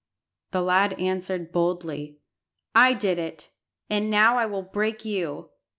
The lad answered boldly "I did it, and now I will break you.